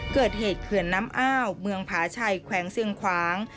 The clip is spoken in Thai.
เกิดเหตุเขื่อนน้ำอ้าวเมืองพาชัยแขวงเสื้องคว้าง